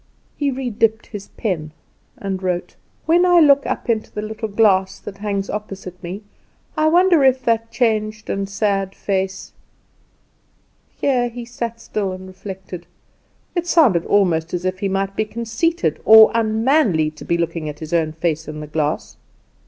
He re dipped his pen and wrote: "When I look up into the little glass that hangs opposite me, I wonder if that changed and sad face " Here he sat still and reflected. It sounded almost as if he might be conceited or unmanly to be looking at his own face in the glass.